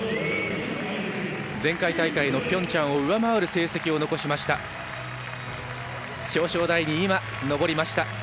前回大会のピョンチャンを上回る成績を残しました。